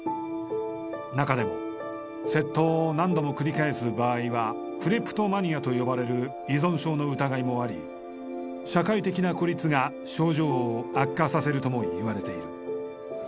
中でも窃盗を何度も繰り返す場合は「クレプトマニア」と呼ばれる依存症の疑いもあり社会的な孤立が症状を悪化させるともいわれている。